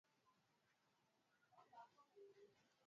ameviambia vyombo vya habari ya kwamba licha ya watu mia tatu